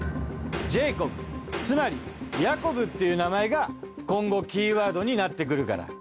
ジェイコブつまりヤコブっていう名前が今後キーワードになってくるから。